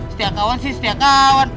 setiap kawan sih setia kawan